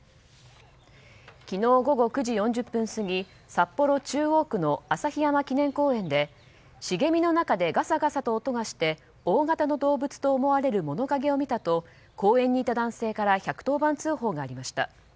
昨日午後９時４０分過ぎ札幌・中央区の旭山記念公園で茂みの中で、ガサガサと音がして大型の動物と思われる物影を見たと公園にいた男性から１１０番通報がありました。